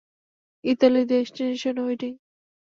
Italy, destination wedding.